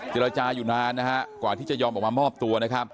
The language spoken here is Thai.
เจรจาอยู่นานกว่าที่จะยอมออกมามอบตัว